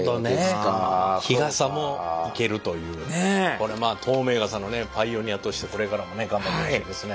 これまあ透明傘のねパイオニアとしてこれからもね頑張ってほしいですね。